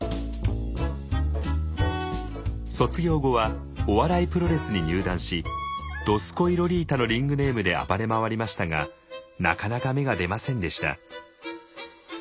卒業後はお笑いプロレスに入団し「どすこいロリータ」のリングネームで暴れ回りましたがなかなか芽が出ませんでした。